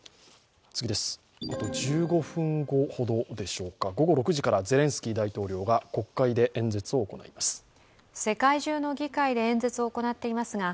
１５分後ほどでしょうか、午後６時からゼレンスキー大統領が国会で演説を行います。